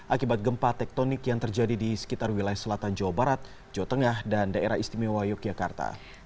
akibat gempa tektonik yang terjadi di sekitar wilayah selatan jawa barat jawa tengah dan daerah istimewa yogyakarta